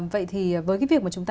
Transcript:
vậy thì với cái việc mà chúng ta